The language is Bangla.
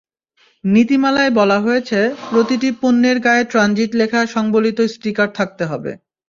নীতিমালায় বলা হয়েছে, প্রতিটি পণ্যের গায়ে ট্রানজিট লেখা-সংবলিত স্টিকার থাকতে হবে।